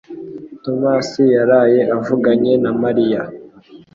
Tomasi yaraye avuganye na Mariya.